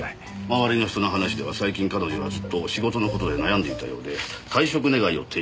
周りの人の話では最近彼女はずっと仕事の事で悩んでいたようで退職願を提出していたそうです。